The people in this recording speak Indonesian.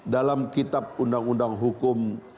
dalam kitab undang undang hukum